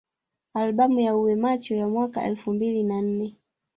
Albamu ya Uwe Macho ya mwaka elfu mbili na nne